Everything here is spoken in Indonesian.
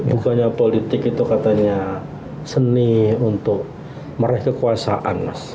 bukannya politik itu katanya seni untuk meraih kekuasaan mas